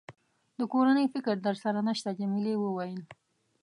د کورنۍ فکر در سره نشته؟ جميلې وويل:.